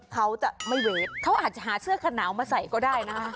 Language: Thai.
เขาจะไม่เวทเขาอาจจะหาเสื้อขนาวมาใส่ก็ได้นะคะ